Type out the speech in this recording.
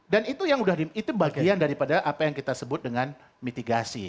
dan itu yang udah dibagian daripada apa yang kita sebut dengan mitigasi